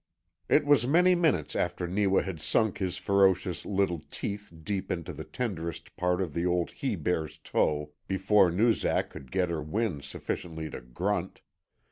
It was many minutes after Neewa had sunk his ferocious little teeth deep into the tenderest part of the old he bear's toe before Noozak could get her wind sufficiently to grunt.